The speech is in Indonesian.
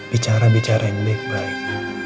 bicara bicara yang baik baik